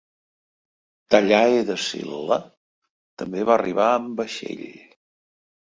Talhae de Sillla també va arribar amb vaixell.